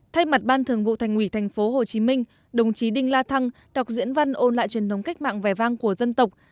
thay mặt ban thường vụ thành ủy tp hcm đồng chí đinh la thăng đọc diễn văn ôn lại truyền thống cách mạng vẻ vang của dân tộc